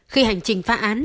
khi hành trình phá án